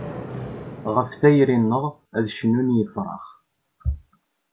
Ɣef tayri-nneɣ ad cnun yefrax.